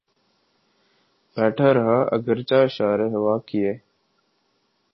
بیٹھا رہا اگرچہ اشارے ہوا کیے